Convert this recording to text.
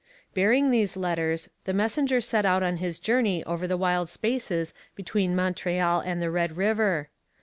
Bearing these letters, the messenger set out on his journey over the wild spaces between Montreal and the Red River.